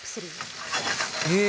へえ。